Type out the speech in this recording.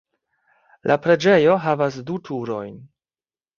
La preĝejo havas du turojn.